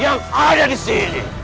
yang ada di sini